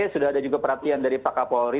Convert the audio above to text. sudah ada juga perhatian dari pak kapolri